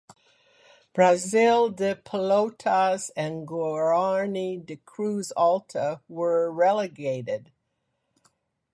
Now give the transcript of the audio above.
Brasil de Pelotas and Guarany de Cruz Alta were relegated.